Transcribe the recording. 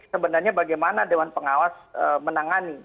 sebenarnya bagaimana dewan pengawas menangani